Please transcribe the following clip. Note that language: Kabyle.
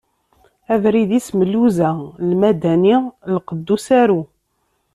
Abrid-is Mluza, Lmadani lqedd n usaru.